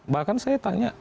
bahkan saya tanya